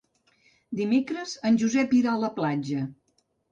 Dimecres en Josep irà a la platja.